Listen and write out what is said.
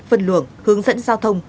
phân luồng hướng dẫn giao thông